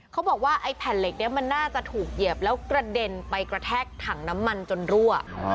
เขาบอกว่าไอ้แผ่นเหล็กนี้มันน่าจะถูกเหยียบแล้วกระเด็นไปกระแทกถังน้ำมันจนรั่ว